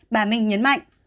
bà minh nhấn mạnh